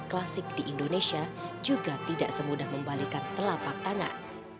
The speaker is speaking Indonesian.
klasik di indonesia juga tidak semudah membalikan telapak tangan